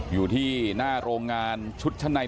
อยู่ที่หน้ารงงานชุดชะไหน